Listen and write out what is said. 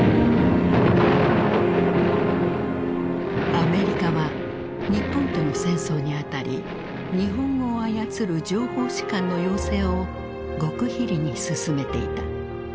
アメリカは日本との戦争にあたり日本語を操る情報士官の養成を極秘裏に進めていた。